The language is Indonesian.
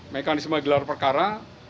mekanisme gelar perkara